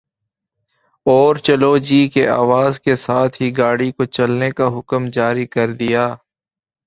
اور چلو جی کی آواز کے ساتھ ہی گاڑی کو چلنے کا حکم جاری کر دیا